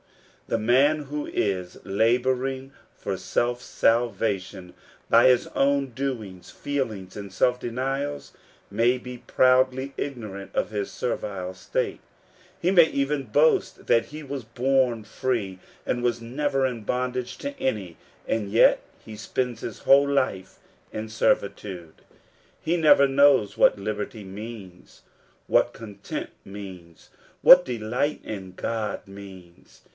The man who is laboring for self»salvation by his own doings, feel ings, and self denials, may be proudly ignorant of his servile state ; he may even boast that he was born free, and was never in bondage to any ; and yet he spends his whole life in servitude. He never knows what liberty means, what content means, what delight in God means.